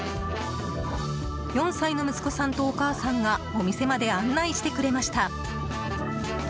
４歳の息子さんとお母さんがお店まで案内してくれました。